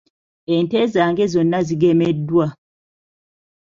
Ente zange zonna zigemeddwa.